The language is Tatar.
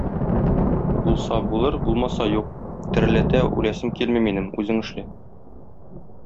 Булса булыр, булмаса юк, тереләтә үләсем килми минем, үзең эшлә.